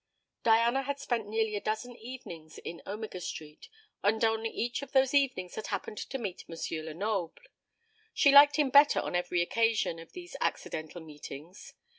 Diana had spent nearly a dozen evenings in Omega Street, and on each of those evenings had happened to meet M. Lenoble. She liked him better on every occasion of these accidental meetings.